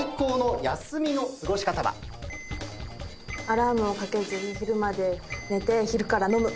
アラームをかけずに昼まで寝て昼から飲む！